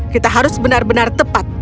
kita harus benar benar tepat